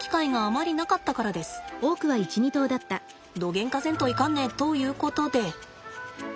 どげんかせんといかんねということで。